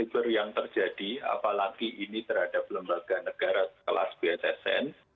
kriber yang terjadi apalagi ini terhadap lembaga negara kelas bssn